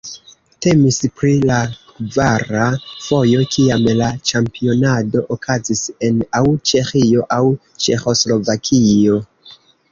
Temis pri la kvara fojo kiam la ĉampionado okazis en aŭ Ĉeĥio aŭ Ĉeĥoslovakio.